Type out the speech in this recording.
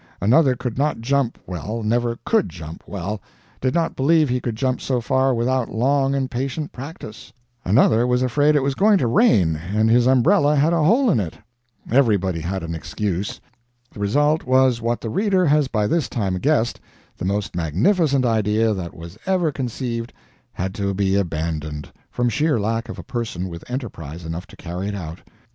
Another could not jump well never COULD jump well did not believe he could jump so far without long and patient practice. Another was afraid it was going to rain, and his umbrella had a hole in it. Everybody had an excuse. The result was what the reader has by this time guessed: the most magnificent idea that was ever conceived had to be abandoned, from sheer lack of a person with enterprise enough to carry it out.